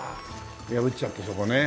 破っちゃってそこね。